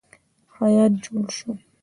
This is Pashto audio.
هیات جوړ شو.